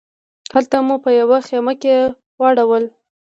هلته مو په یوه خیمه کې واړول.